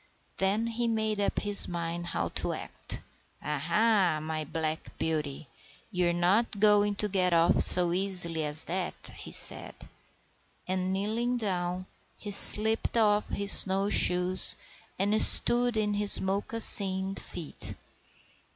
Then he made up his mind how to act. "Ha, ha, my black beauty! You're not going to get off so easily as that," he said. And, kneeling down, he slipped off his snow shoes and stood in his moccasined feet.